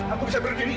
aku bisa berdiri diri